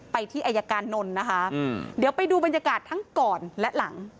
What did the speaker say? ไปที่อายการนนท์นะคะเดี๋ยวไปดูบรรยากาศทั้งก่อนและหลัง